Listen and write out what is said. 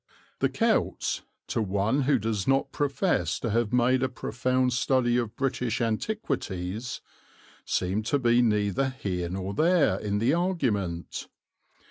The "celts," to one who does not profess to have made a profound study of British antiquities, seem to be neither here nor there in the argument.